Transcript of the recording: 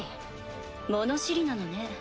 物知りなのね。